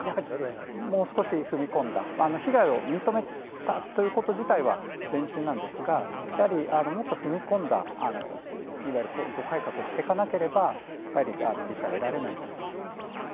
もう少し踏み込んだ被害を認めたということ自体は前進なんですが、やはりもっと踏み込んだいわゆる構造改革をしていかなければ、理解は得られないんじゃないかと思います。